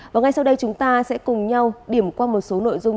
và ngay sau đây chúng ta sẽ cùng nhau điểm qua một số nội dung